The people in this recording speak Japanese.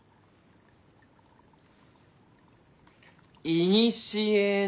「いにしへの」。